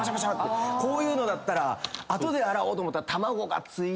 こういうのだったら後で洗おうと思ったら。